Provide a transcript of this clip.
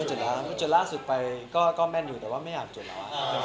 จนแล้วจนล่าสุดไปก็แม่นอยู่แต่ว่าไม่อยากจดแล้ว